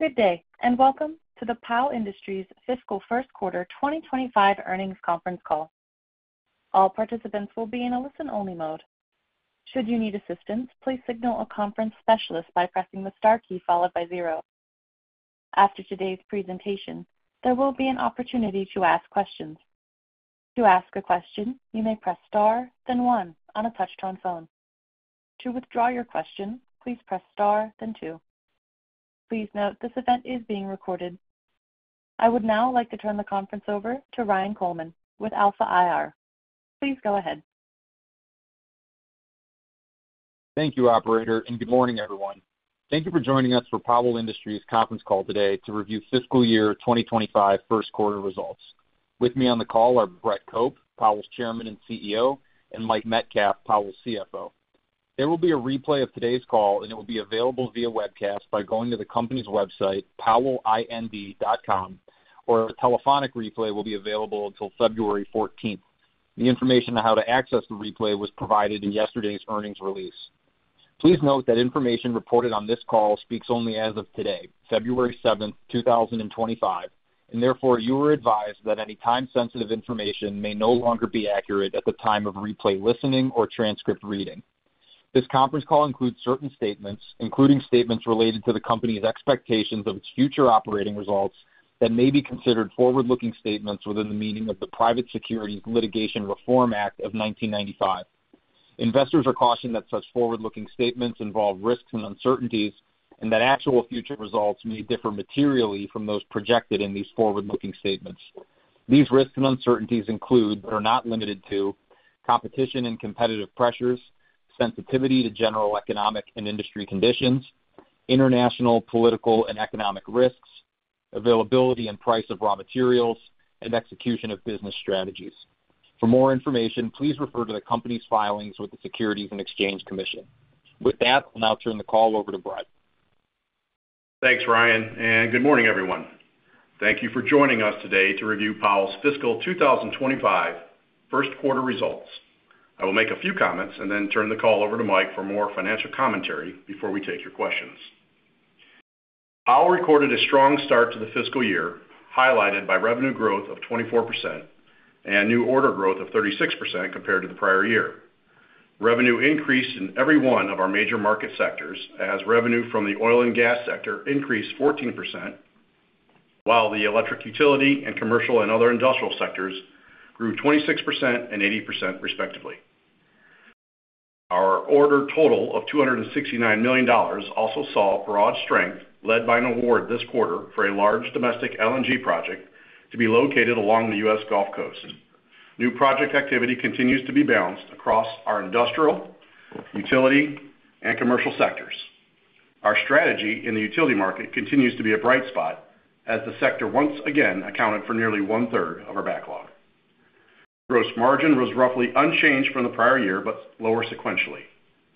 Good day, and welcome to the Powell Industries' fiscal first quarter 2025 earnings conference call. All participants will be in a listen-only mode. Should you need assistance, please signal a conference specialist by pressing the star key followed by zero. After today's presentation, there will be an opportunity to ask questions. To ask a question, you may press star, then one, on a touch-tone phone. To withdraw your question, please press star, then two. Please note this event is being recorded. I would now like to turn the conference over to Ryan Coleman with Alpha IR. Please go ahead. Thank you, Operator, and good morning, everyone. Thank you for joining us for Powell Industries' conference call today to review fiscal year 2025 first quarter results. With me on the call are Brett Cope, Powell's Chairman and CEO, and Mike Metcalf, Powell's CFO. There will be a replay of today's call, and it will be available via webcast by going to the company's website, powellind.com, or a telephonic replay will be available until February 14th. The information on how to access the replay was provided in yesterday's earnings release. Please note that information reported on this call speaks only as of today, February 7th, 2025, and therefore you are advised that any time-sensitive information may no longer be accurate at the time of replay listening or transcript reading. This conference call includes certain statements, including statements related to the company's expectations of its future operating results that may be considered forward-looking statements within the meaning of the Private Securities Litigation Reform Act of 1995. Investors are cautioned that such forward-looking statements involve risks and uncertainties, and that actual future results may differ materially from those projected in these forward-looking statements. These risks and uncertainties include, but are not limited to, competition and competitive pressures, sensitivity to general economic and industry conditions, international, political, and economic risks, availability and price of raw materials, and execution of business strategies. For more information, please refer to the company's filings with the Securities and Exchange Commission. With that, I'll now turn the call over to Brett. Thanks, Ryan, and good morning, everyone. Thank you for joining us today to review Powell's fiscal 2025 first quarter results. I will make a few comments and then turn the call over to Mike for more financial commentary before we take your questions. Powell recorded a strong start to the fiscal year, highlighted by revenue growth of 24% and new order growth of 36% compared to the prior year. Revenue increased in every one of our major market sectors as revenue from the oil and gas sector increased 14%, while the electric utility and commercial and other industrial sectors grew 26% and 80% respectively. Our order total of $269 million also saw broad strength led by an award this quarter for a large domestic LNG project to be located along the U.S. Gulf Coast. New project activity continues to be balanced across our industrial, utility, and commercial sectors. Our strategy in the utility market continues to be a bright spot as the sector once again accounted for nearly one-third of our backlog. Gross margin was roughly unchanged from the prior year, but lower sequentially.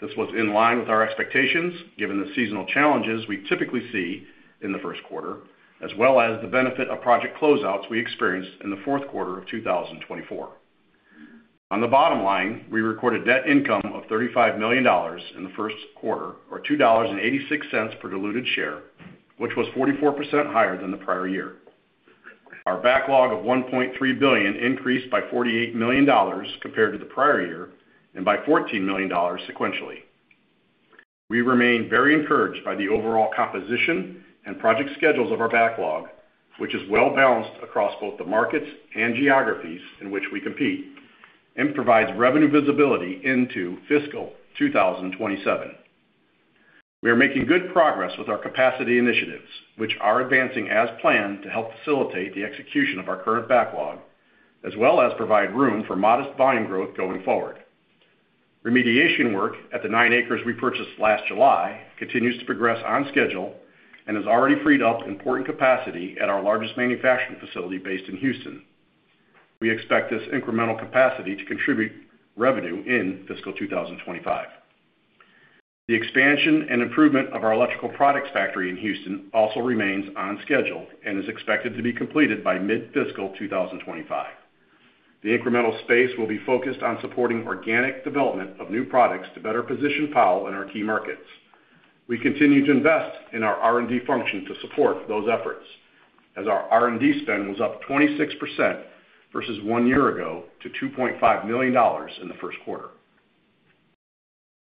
This was in line with our expectations given the seasonal challenges we typically see in the first quarter, as well as the benefit of project closeouts we experienced in the fourth quarter of 2024. On the bottom line, we recorded net income of $35 million in the first quarter, or $2.86 per diluted share, which was 44% higher than the prior year. Our backlog of $1.3 billion increased by $48 million compared to the prior year and by $14 million sequentially. We remain very encouraged by the overall composition and project schedules of our backlog, which is well balanced across both the markets and geographies in which we compete and provides revenue visibility into fiscal 2027. We are making good progress with our capacity initiatives, which are advancing as planned to help facilitate the execution of our current backlog, as well as provide room for modest volume growth going forward. Remediation work at the nine acres we purchased last July continues to progress on schedule and has already freed up important capacity at our largest manufacturing facility based in Houston. We expect this incremental capacity to contribute revenue in fiscal 2025. The expansion and improvement of our electrical products factory in Houston also remains on schedule and is expected to be completed by mid-fiscal 2025. The incremental space will be focused on supporting organic development of new products to better position Powell in our key markets. We continue to invest in our R&D function to support those efforts, as our R&D spend was up 26% versus one year ago to $2.5 million in the first quarter.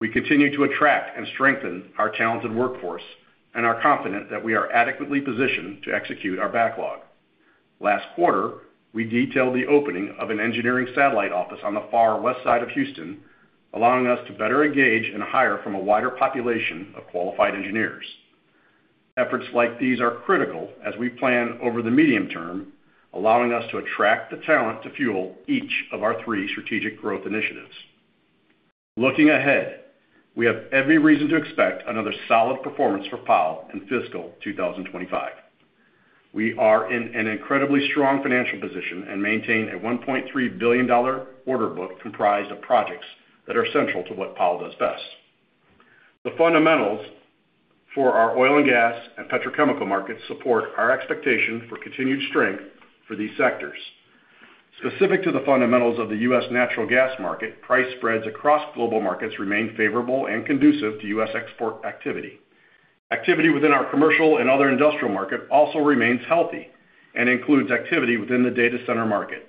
We continue to attract and strengthen our talented workforce and are confident that we are adequately positioned to execute our backlog. Last quarter, we detailed the opening of an engineering satellite office on the far west side of Houston, allowing us to better engage and hire from a wider population of qualified engineers. Efforts like these are critical as we plan over the medium term, allowing us to attract the talent to fuel each of our three strategic growth initiatives. Looking ahead, we have every reason to expect another solid performance for Powell in fiscal 2025. We are in an incredibly strong financial position and maintain a $1.3 billion order book comprised of projects that are central to what Powell does best. The fundamentals for our oil and gas and petrochemical markets support our expectation for continued strength for these sectors. Specific to the fundamentals of the U.S. natural gas market, price spreads across global markets remain favorable and conducive to U.S. export activity. Activity within our commercial and other industrial market also remains healthy and includes activity within the data center market.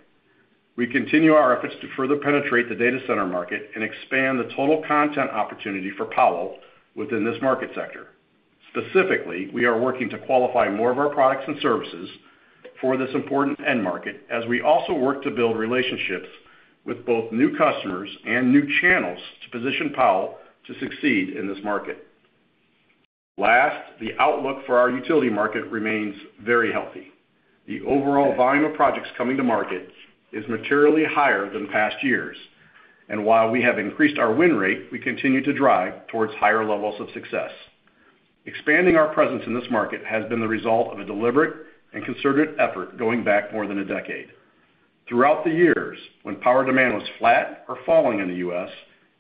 We continue our efforts to further penetrate the data center market and expand the total content opportunity for Powell within this market sector. Specifically, we are working to qualify more of our products and services for this important end market as we also work to build relationships with both new customers and new channels to position Powell to succeed in this market. Last, the outlook for our utility market remains very healthy. The overall volume of projects coming to market is materially higher than past years, and while we have increased our win rate, we continue to drive towards higher levels of success. Expanding our presence in this market has been the result of a deliberate and concerted effort going back more than a decade. Throughout the years, when power demand was flat or falling in the U.S.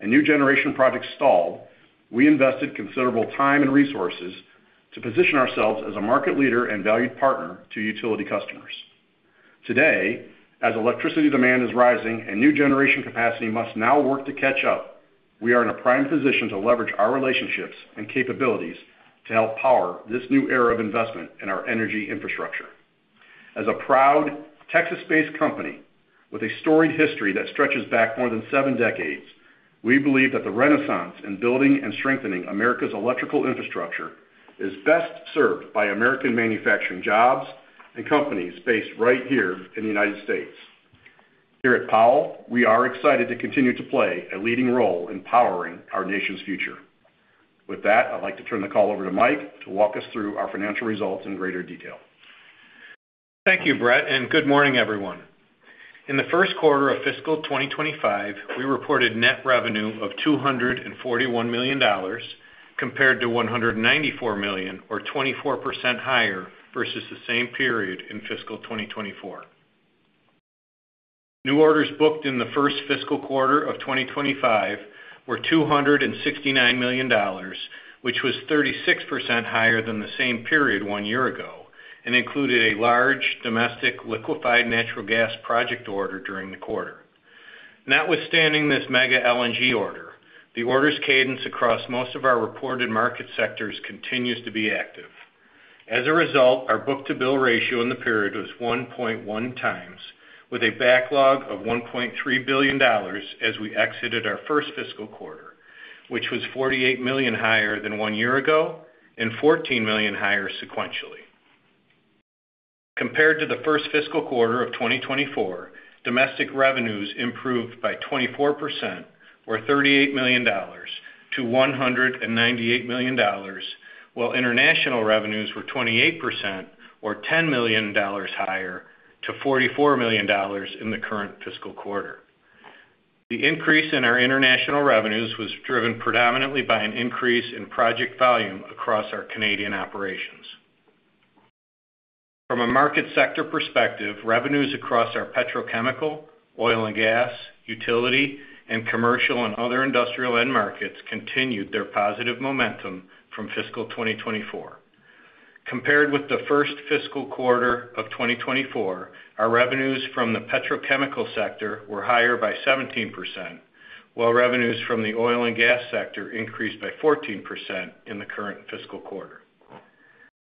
and new generation projects stalled, we invested considerable time and resources to position ourselves as a market leader and valued partner to utility customers. Today, as electricity demand is rising and new generation capacity must now work to catch up, we are in a prime position to leverage our relationships and capabilities to help power this new era of investment in our energy infrastructure. As a proud Texas-based company with a storied history that stretches back more than seven decades, we believe that the renaissance in building and strengthening America's electrical infrastructure is best served by American manufacturing jobs and companies based right here in the United States. Here at Powell, we are excited to continue to play a leading role in powering our nation's future. With that, I'd like to turn the call over to Mike to walk us through our financial results in greater detail. Thank you, Brett, and good morning, everyone. In the first quarter of fiscal 2025, we reported net revenue of $241 million compared to $194 million, or 24% higher versus the same period in fiscal 2024. New orders booked in the first fiscal quarter of 2025 were $269 million, which was 36% higher than the same period one year ago, and included a large domestic liquefied natural gas project order during the quarter. Notwithstanding this mega LNG order, the order's cadence across most of our reported market sectors continues to be active. As a result, our book-to-bill ratio in the period was 1.1 times, with a backlog of $1.3 billion as we exited our first fiscal quarter, which was $48 million higher than one year ago and $14 million higher sequentially. Compared to the first fiscal quarter of 2024, domestic revenues improved by 24%, or $38 million, to $198 million, while international revenues were 28%, or $10 million higher, to $44 million in the current fiscal quarter. The increase in our international revenues was driven predominantly by an increase in project volume across our Canadian operations. From a market sector perspective, revenues across our petrochemical, oil and gas, utility, and commercial and other industrial end markets continued their positive momentum from fiscal 2024. Compared with the first fiscal quarter of 2024, our revenues from the petrochemical sector were higher by 17%, while revenues from the oil and gas sector increased by 14% in the current fiscal quarter.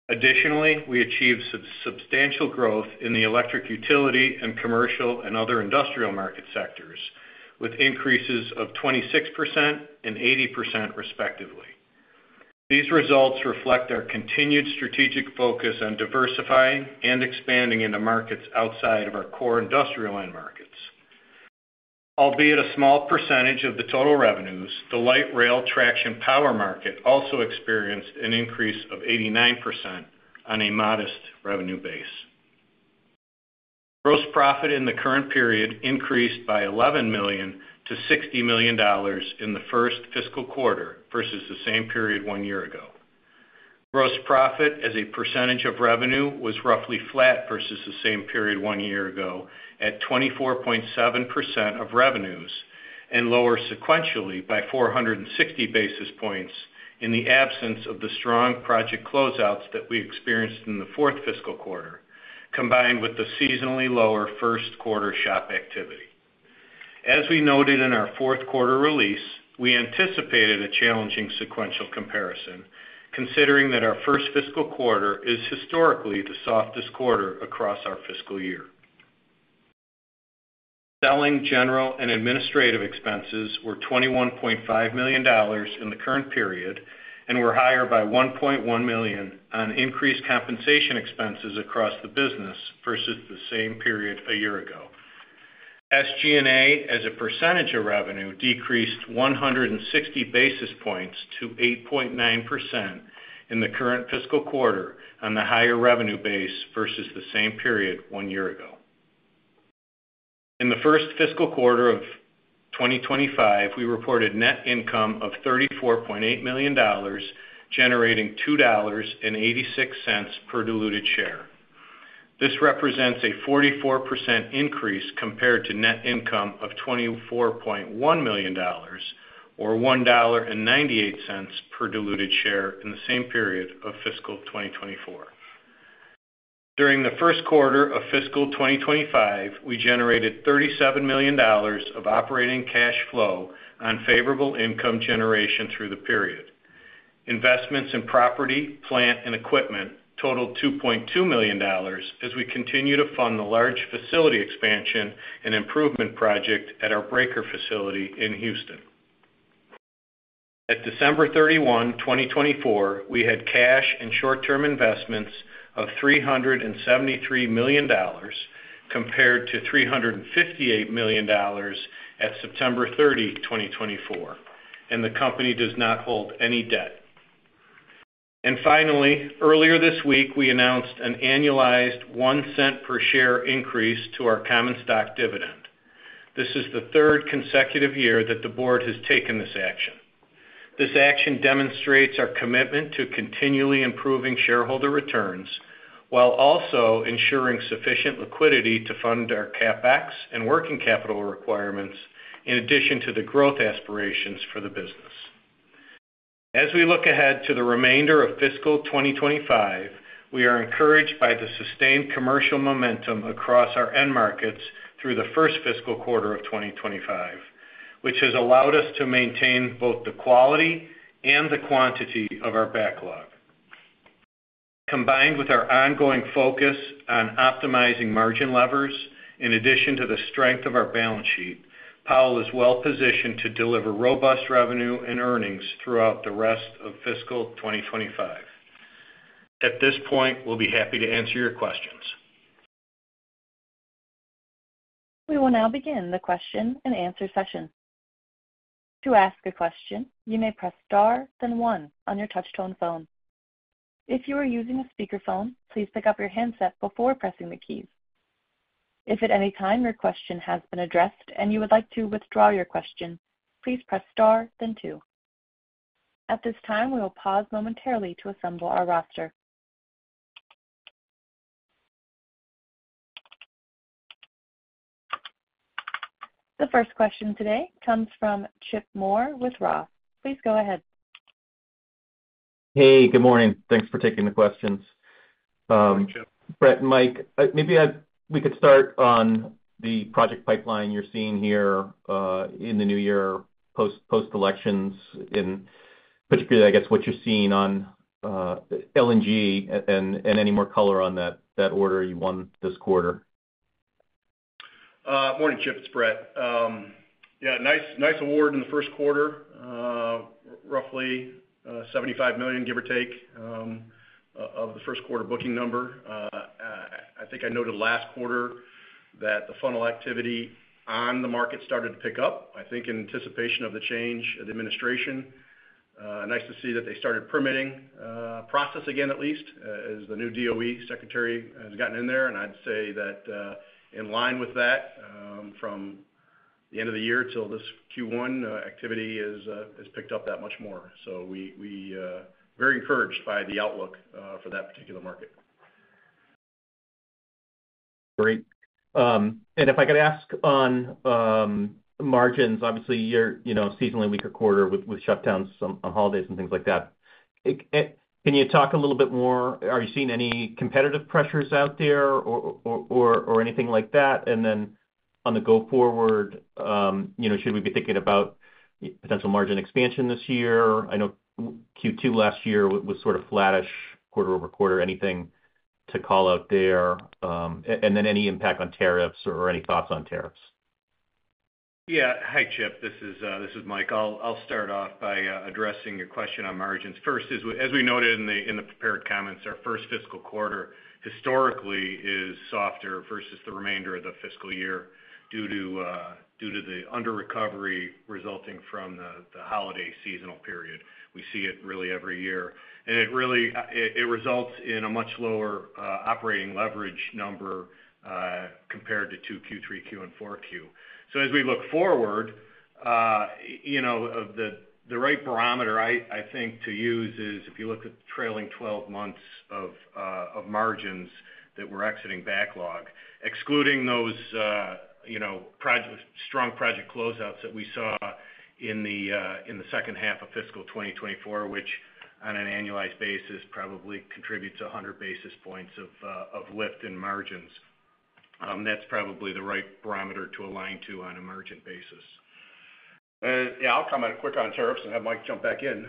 Additionally, we achieved substantial growth in the electric utility and commercial and other industrial market sectors, with increases of 26% and 80% respectively. These results reflect our continued strategic focus on diversifying and expanding into markets outside of our core industrial end markets. Albeit a small percentage of the total revenues, the light rail traction power market also experienced an increase of 89% on a modest revenue base. Gross profit in the current period increased by $11 million to $60 million in the first fiscal quarter versus the same period one year ago. Gross profit as a percentage of revenue was roughly flat versus the same period one year ago at 24.7% of revenues and lower sequentially by 460 basis points in the absence of the strong project closeouts that we experienced in the fourth fiscal quarter, combined with the seasonally lower first quarter shop activity. As we noted in our fourth quarter release, we anticipated a challenging sequential comparison, considering that our first fiscal quarter is historically the softest quarter across our fiscal year. Selling, general, and administrative expenses were $21.5 million in the current period and were higher by $1.1 million on increased compensation expenses across the business versus the same period a year ago. SG&A as a percentage of revenue decreased 160 basis points to 8.9% in the current fiscal quarter on the higher revenue base versus the same period one year ago. In the first fiscal quarter of 2025, we reported net income of $34.8 million, generating $2.86 per diluted share. This represents a 44% increase compared to net income of $24.1 million, or $1.98 per diluted share in the same period of fiscal 2024. During the first quarter of fiscal 2025, we generated $37 million of operating cash flow on favorable income generation through the period. Investments in property, plant, and equipment totaled $2.2 million as we continue to fund the large facility expansion and improvement project at our breaker facility in Houston. At December 31, 2024, we had cash and short-term investments of $373 million compared to $358 million at September 30, 2024, and the company does not hold any debt. And finally, earlier this week, we announced an annualized $0.01 per share increase to our common stock dividend. This is the third consecutive year that the board has taken this action. This action demonstrates our commitment to continually improving shareholder returns while also ensuring sufficient liquidity to fund our CapEx and working capital requirements in addition to the growth aspirations for the business. As we look ahead to the remainder of fiscal 2025, we are encouraged by the sustained commercial momentum across our end markets through the first fiscal quarter of 2025, which has allowed us to maintain both the quality and the quantity of our backlog. Combined with our ongoing focus on optimizing margin levers, in addition to the strength of our balance sheet, Powell is well positioned to deliver robust revenue and earnings throughout the rest of fiscal 2025. At this point, we'll be happy to answer your questions. We will now begin the question and answer session. To ask a question, you may press star, then one on your touch-tone phone. If you are using a speakerphone, please pick up your handset before pressing the keys. If at any time your question has been addressed and you would like to withdraw your question, please press star, then two. At this time, we will pause momentarily to assemble our roster. The first question today comes from Chip Moore with Roth. Please go ahead. Hey, good morning. Thanks for taking the questions. Thank you. Brett and Mike, maybe we could start on the project pipeline you're seeing here in the new year post-elections, and particularly, I guess, what you're seeing on LNG and any more color on that order you won this quarter. Morning, Chip. It's Brett. Yeah, nice award in the first quarter, roughly $75 million, give or take, of the first quarter booking number. I think I noted last quarter that the funnel activity on the market started to pick up, I think, in anticipation of the change of the administration. Nice to see that they started permitting process again, at least, as the new DOE secretary has gotten in there. And I'd say that in line with that, from the end of the year till this Q1, activity has picked up that much more. So we are very encouraged by the outlook for that particular market. Great. And if I could ask on margins, obviously, you're seasonally weak or quarter with shutdowns on holidays and things like that. Can you talk a little bit more? Are you seeing any competitive pressures out there or anything like that? And then on the go-forward, should we be thinking about potential margin expansion this year? I know Q2 last year was sort of flattish, quarter over quarter. Anything to call out there? And then any impact on tariffs or any thoughts on tariffs? Yeah. Hi, Chip. This is Mike. I'll start off by addressing your question on margins. First is, as we noted in the prepared comments, our first fiscal quarter historically is softer versus the remainder of the fiscal year due to the under-recovery resulting from the holiday seasonal period. We see it really every year. And it results in a much lower operating leverage number compared to Q3, Q4, and Q4. So as we look forward, the right barometer, I think, to use is if you look at the trailing 12 months of margins that we're exiting backlog, excluding those strong project closeouts that we saw in the second half of fiscal 2024, which on an annualized basis probably contributes 100 basis points of lift in margins. That's probably the right barometer to align to on a margin basis. Yeah, I'll comment quick on tariffs and have Mike jump back in.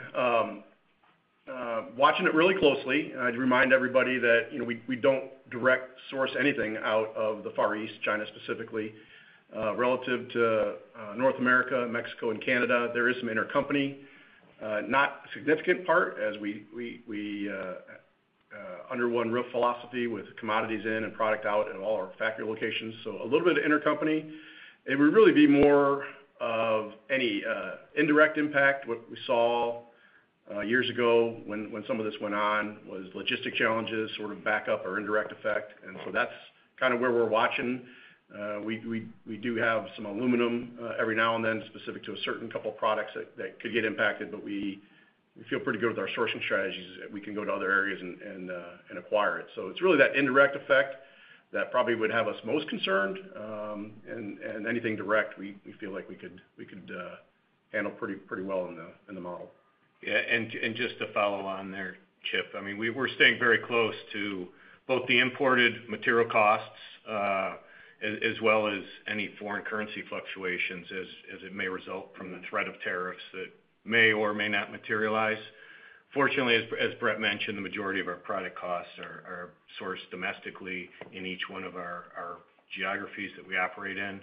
Watching it really closely, I'd remind everybody that we don't direct source anything out of the Far East, China specifically. Relative to North America, Mexico, and Canada, there is some intercompany. Not a significant part, as we under one roof philosophy with commodities in and product out at all our factory locations. So a little bit of intercompany. It would really be more of any indirect impact. What we saw years ago when some of this went on was logistic challenges sort of back up our indirect effect. And so that's kind of where we're watching. We do have some aluminum every now and then specific to a certain couple of products that could get impacted, but we feel pretty good with our sourcing strategies that we can go to other areas and acquire it. So it's really that indirect effect that probably would have us most concerned. And anything direct, we feel like we could handle pretty well in the model. Yeah. And just to follow on there, Chip, I mean, we're staying very close to both the imported material costs as well as any foreign currency fluctuations as it may result from the threat of tariffs that may or may not materialize. Fortunately, as Brett mentioned, the majority of our product costs are sourced domestically in each one of our geographies that we operate in.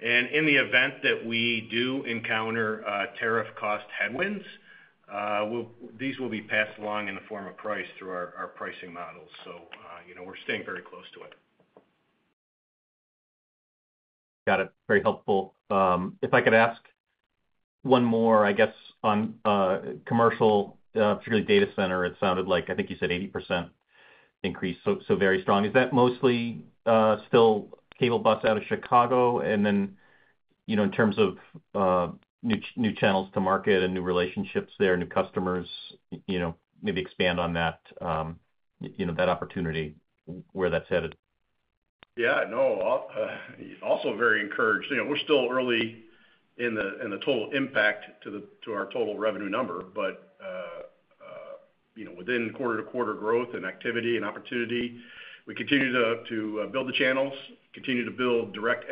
And in the event that we do encounter tariff cost headwinds, these will be passed along in the form of price through our pricing models. So we're staying very close to it. Got it. Very helpful. If I could ask one more, I guess, on commercial, particularly data center, it sounded like, I think you said 80% increase, so very strong. Is that mostly still cable bus out of Chicago? And then in terms of new channels to market and new relationships there, new customers, maybe expand on that opportunity where that's headed? Yeah. No, also very encouraged. We're still early in the total impact to our total revenue number, but within quarter-to-quarter growth and activity and opportunity, we continue to build the channels, continue to build direct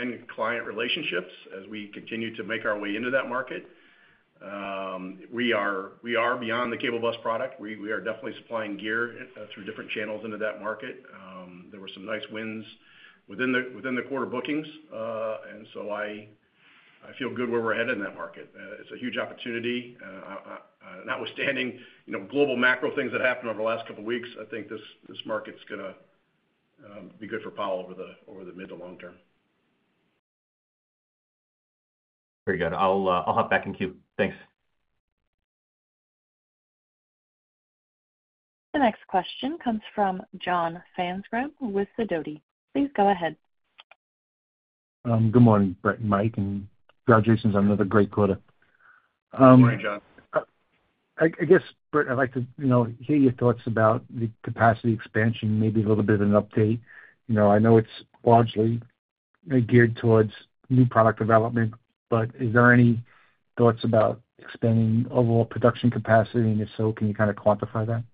end-client relationships as we continue to make our way into that market. We are beyond the cable bus product. We are definitely supplying gear through different channels into that market. There were some nice wins within the quarter bookings. And so I feel good where we're headed in that market. It's a huge opportunity. Notwithstanding global macro things that happened over the last couple of weeks, I think this market's going to be good for Powell over the mid to long term. Very good. I'll hop back in queue. Thanks. The next question comes from John Franzreb with Sidoti. Please go ahead. Good morning, Brett and Mike, and congratulations on another great quarter. Morning, John. I guess, Brett, I'd like to hear your thoughts about the capacity expansion, maybe a little bit of an update. I know it's largely geared towards new product development, but is there any thoughts about expanding overall production capacity? and if so, can you kind of quantify that?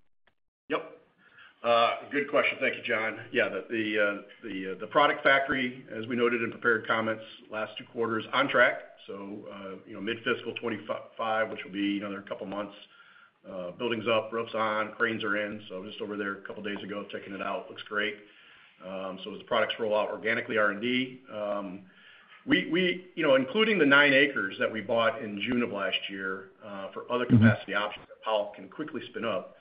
Yep. Good question. Thank you, John. Yeah, the product factory, as we noted in prepared comments, last two quarters on track. So mid-fiscal 2025, which will be another couple of months, building's up, roofs on, cranes are in. So just over there a couple of days ago, checking it out, looks great. So as the products roll out organically, R&D, including the nine acres that we bought in June of last year for other capacity options that Powell can quickly spin up,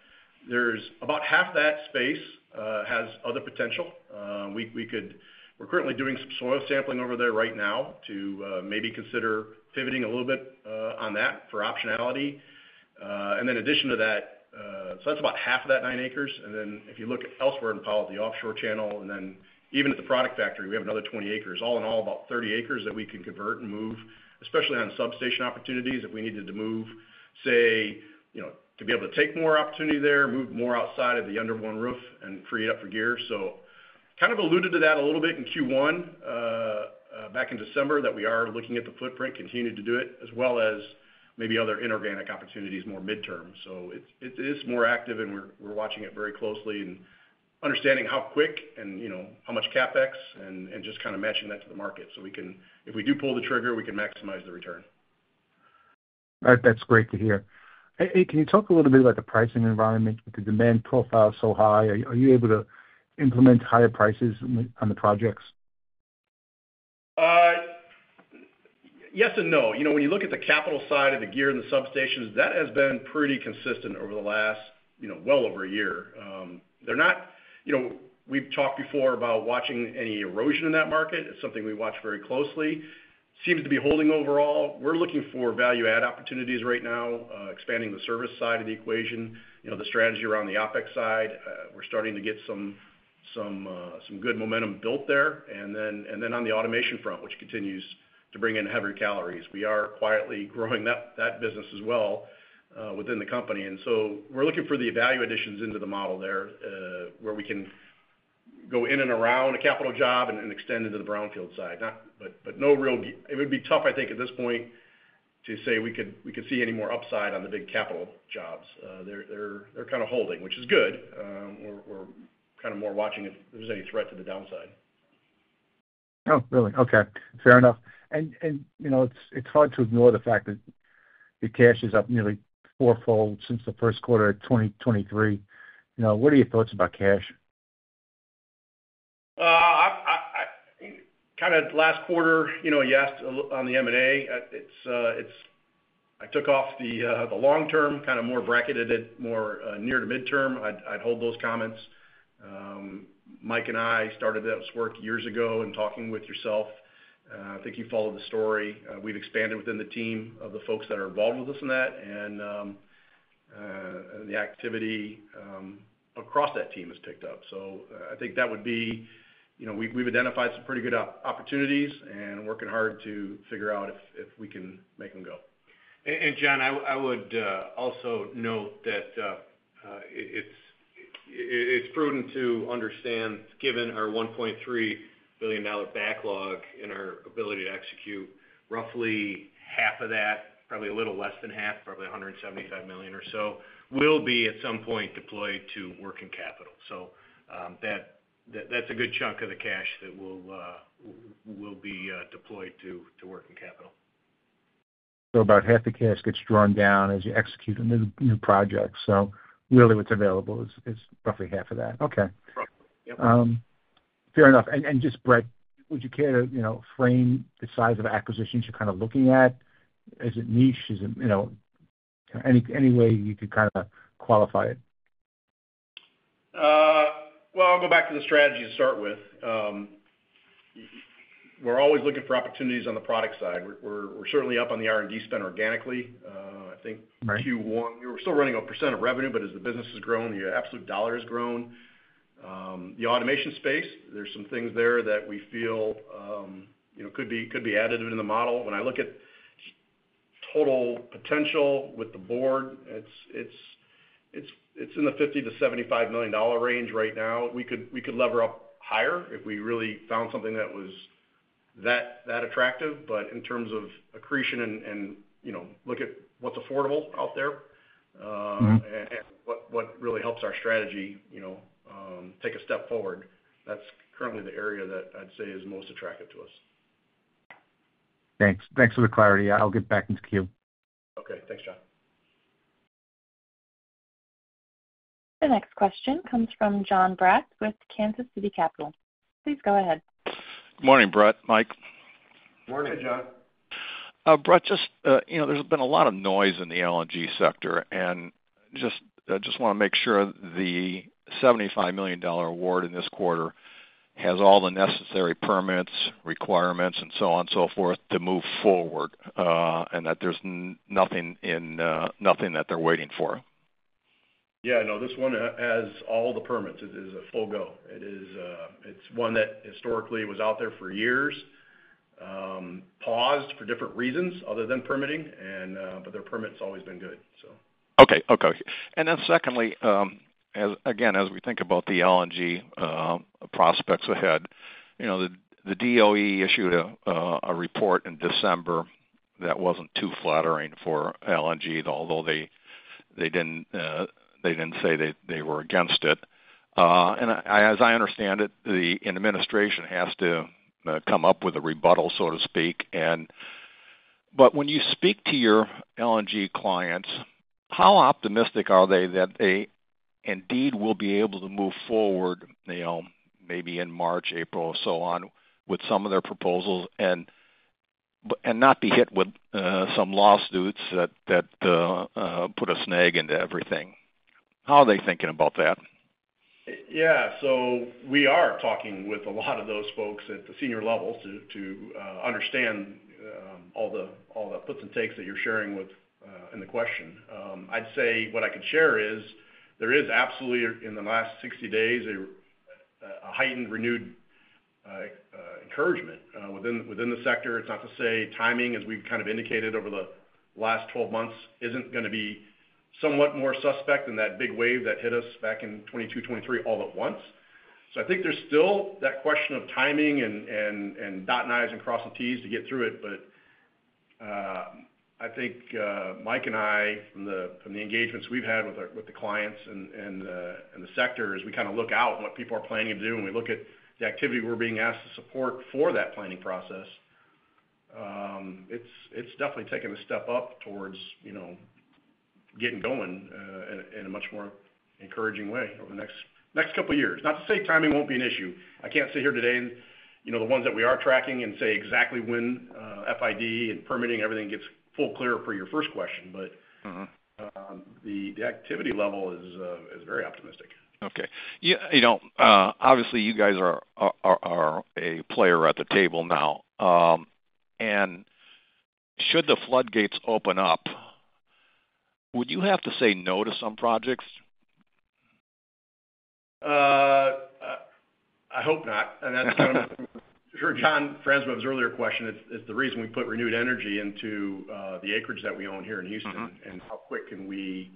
there's about half that space has other potential. We're currently doing some soil sampling over there right now to maybe consider pivoting a little bit on that for optionality. And then in addition to that, so that's about half of that nine acres. And then if you look elsewhere in Powell, the offshore channel, and then even at the product factory, we have another 20 acres. All in all, about 30 acres that we can convert and move, especially on substation opportunities if we needed to move, say, to be able to take more opportunity there, move more outside of the under one roof, and free it up for gear. So kind of alluded to that a little bit in Q1 back in December that we are looking at the footprint, continue to do it, as well as maybe other inorganic opportunities more midterm. So it is more active, and we're watching it very closely and understanding how quick and how much CapEx and just kind of matching that to the market. So if we do pull the trigger, we can maximize the return. That's great to hear. Hey, can you talk a little bit about the pricing environment with the demand profile so high? Are you able to implement higher prices on the projects? Yes and no. When you look at the capital side of the gear and the substations, that has been pretty consistent over the last well over a year. We've talked before about watching any erosion in that market. It's something we watch very closely. Seems to be holding overall. We're looking for value-add opportunities right now, expanding the service side of the equation, the strategy around the OpEx side. We're starting to get some good momentum built there. And then on the automation front, which continues to bring in heavier caliber, we are quietly growing that business as well within the company. And so we're looking for the value additions into the model there where we can go in and around a capital job and extend into the brownfield side. But no, really, it would be tough, I think, at this point to say we could see any more upside on the big capital jobs. They're kind of holding, which is good. We're kind of more watching if there's any threat to the downside. Oh, really? Okay. Fair enough. And it's hard to ignore the fact that your cash is up nearly fourfold since the first quarter of 2023. What are your thoughts about cash? Kind of last quarter, you asked on the M&A. I took off the long-term, kind of more bracketed it more near to midterm. I'd hold those comments. Mike and I started this work years ago and talking with yourself. I think you followed the story. We've expanded within the team of the folks that are involved with us in that, and the activity across that team has picked up. So I think that would be. We've identified some pretty good opportunities and working hard to figure out if we can make them go. And John, I would also note that it's prudent to understand, given our $1.3 billion backlog and our ability to execute, roughly half of that, probably a little less than half, probably $175 million or so, will be at some point deployed to working capital. So that's a good chunk of the cash that will be deployed to working capital. So, about half the cash gets drawn down as you execute a new project. So really, what's available is roughly half of that. Okay. Fair enough. And just, Brett, would you care to frame the size of acquisitions you're kind of looking at? Is it niche? Is there any way you could kind of qualify it? I'll go back to the strategy to start with. We're always looking for opportunities on the product side. We're certainly up on the R&D spend organically. I think Q1, we were still running a % of revenue, but as the business has grown, the absolute dollar has grown. The automation space, there's some things there that we feel could be added in the model. When I look at total potential with the board, it's in the $50 million-$75 million range right now. We could lever up higher if we really found something that was that attractive. But in terms of accretion and look at what's affordable out there and what really helps our strategy take a step forward, that's currently the area that I'd say is most attractive to us. Thanks. Thanks for the clarity. I'll get back into Q. Okay. Thanks, John. The next question comes from John Braatz with Kansas City Capital. Please go ahead. Good morning, Brett. Mike. Good morning, John. Brett, just there's been a lot of noise in the LNG sector, and just want to make sure the $75 million award in this quarter has all the necessary permits, requirements, and so on and so forth to move forward, and that there's nothing that they're waiting for. Yeah. No, this one has all the permits. It is a full go. It's one that historically was out there for years, paused for different reasons other than permitting, but their permit's always been good, so. Okay. Okay. And then secondly, again, as we think about the LNG prospects ahead, the DOE issued a report in December that wasn't too flattering for LNG, although they didn't say they were against it. And as I understand it, the administration has to come up with a rebuttal, so to speak. But when you speak to your LNG clients, how optimistic are they that they indeed will be able to move forward maybe in March, April, so on with some of their proposals and not be hit with some lawsuits that put a snag into everything? How are they thinking about that? Yeah. So we are talking with a lot of those folks at the senior levels to understand all the puts and takes that you're sharing with in the question. I'd say what I could share is there is absolutely, in the last 60 days, a heightened renewed encouragement within the sector. It's not to say timing, as we've kind of indicated over the last 12 months, isn't going to be somewhat more suspect than that big wave that hit us back in 2022, 2023 all at once. So I think there's still that question of timing and dotting the I's and cross the T's to get through it. But I think Mike and I, from the engagements we've had with the clients and the sector, as we kind of look out what people are planning to do and we look at the activity we're being asked to support for that planning process, it's definitely taken a step up towards getting going in a much more encouraging way over the next couple of years. Not to say timing won't be an issue. I can't sit here today and the ones that we are tracking and say exactly when FID and permitting and everything gets fully clear for your first question, but the activity level is very optimistic. Okay. Obviously, you guys are a player at the table now. And should the floodgates open up, would you have to say no to some projects? I hope not, and that's kind of John Franzreb's earlier question. It's the reason we put renewed energy into the acreage that we own here in Houston and how quick can we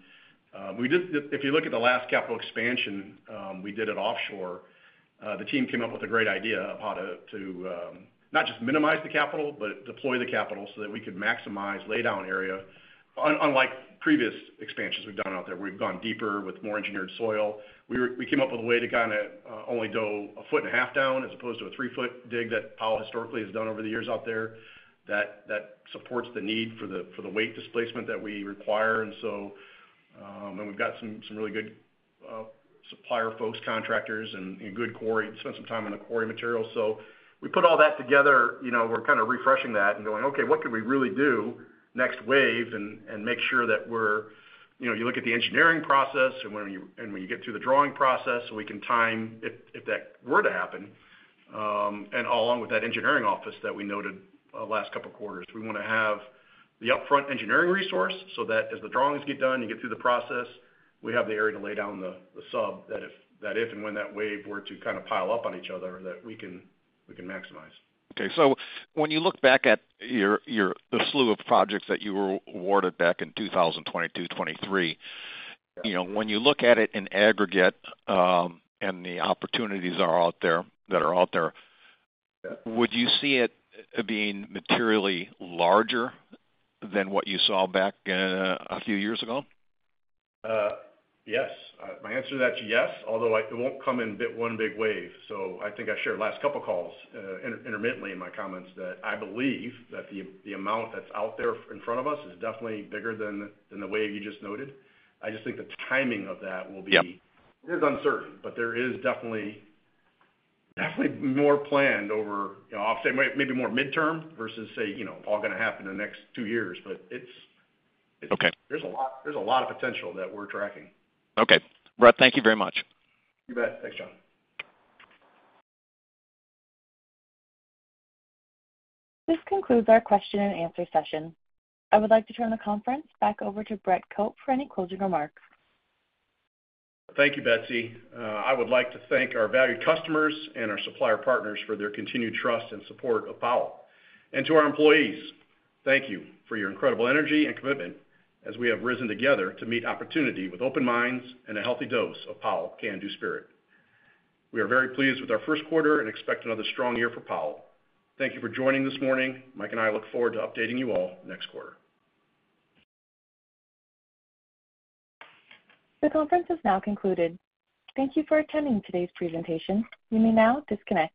if you look at the last capital expansion we did at offshore, the team came up with a great idea of how to not just minimize the capital, but deploy the capital so that we could maximize laydown area. Unlike previous expansions we've done out there, where we've gone deeper with more engineered soil, we came up with a way to kind of only do a foot and a half down as opposed to a three-foot dig that Powell historically has done over the years out there that supports the need for the weight displacement that we require. And so we've got some really good supplier folks, contractors, and good quality to spend some time on the quality material. So we put all that together. We're kind of refreshing that and going, "Okay, what can we really do next wave and make sure that where you look at the engineering process, and when you get to the drawing process, we can time it if that were to happen." And along with that engineering office that we noted last couple of quarters, we want to have the upfront engineering resource so that as the drawings get done and you get through the process, we have the area to lay down the sub that if and when that wave were to kind of pile up on each other that we can maximize. Okay. So when you look back at the slew of projects that you were awarded back in 2022, 2023, when you look at it in aggregate and the opportunities that are out there, would you see it being materially larger than what you saw back a few years ago? Yes. My answer to that's yes, although it won't come in one big wave. So I think I shared last couple of calls intermittently in my comments that I believe that the amount that's out there in front of us is definitely bigger than the wave you just noted. I just think the timing of that will be it is uncertain, but there is definitely more planned over, I'll say, maybe more midterm versus, say, all going to happen in the next two years. But there's a lot of potential that we're tracking. Okay. Brett, thank you very much. You bet. Thanks, John. This concludes our question and answer session. I would like to turn the conference back over to Brett Cope for any closing remarks. Thank you, Betsy. I would like to thank our valued customers and our supplier partners for their continued trust and support of Powell, and to our employees, thank you for your incredible energy and commitment as we have risen together to meet opportunity with open minds and a healthy dose of Powell can-do spirit. We are very pleased with our first quarter and expect another strong year for Powell. Thank you for joining this morning. Mike and I look forward to updating you all next quarter. The conference is now concluded. Thank you for attending today's presentation. You may now disconnect.